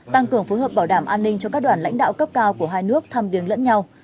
tăng cường phối hợp bảo đảm an ninh cho các đoàn lãnh đạo cấp cao của hai nước thăm viếng lẫn nhau